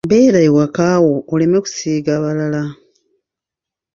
Beera ewaka wo oleme kusiiga balala.